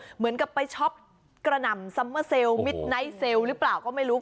เหมือนกับไปช็อปกระหน่ำซัมเมอร์เซลมิตไนท์เซลล์หรือเปล่าก็ไม่รู้